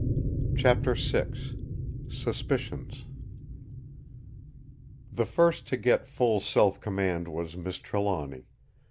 Chapter VI Suspicions The first to get full self command was Miss Trelawny.